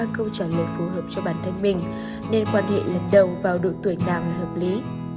những câu trả lời phù hợp cho bản thân mình nên quan hệ lần đầu vào độ tuổi nàng là hợp lý